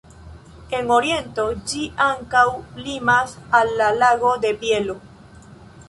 En oriento ĝi ankaŭ limas al la Lago de Bielo.